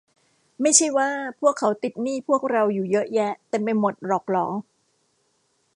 ไม่ใช่ว่าเขาติดหนี้พวกเราอยู่เยอะแยะเต็มไปหมดหรอกหรอ ?